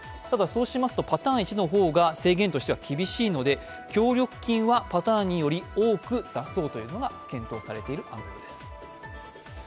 ただ、そうしますとパターン１の方が制限としては厳しいので協力金はパターン２より多く出そうというのが検討されています。